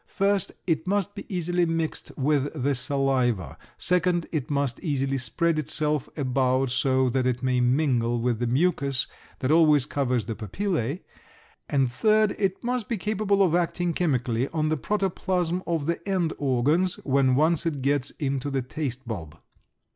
First, it must be easily mixed with the saliva; second, it must easily spread itself about so that it may mingle with the mucus that always covers the papillæ; and third, it must be capable of acting chemically on the protoplasm of the end organs when once it gets into the taste bulb.